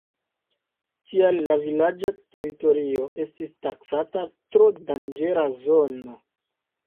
Tial, la vilaĝa teritorio estis taksata tro danĝera zono.